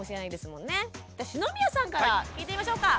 篠宮さんから聞いてみましょうか。